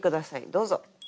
どうぞ。